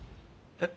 えっ？